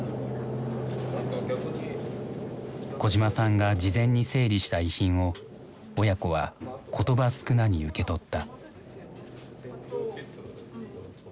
小島さんが事前に整理した遺品を親子は言葉少なに受け取った。